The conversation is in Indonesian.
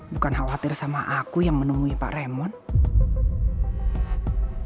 bukan khawatir sama aku yang menemui pak remond